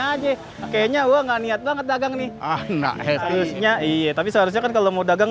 aja kayaknya gua nggak niat banget dagang nih anaknya iya tapi seharusnya kalau mau dagang